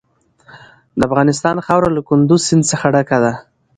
د افغانستان خاوره له کندز سیند څخه ډکه ده.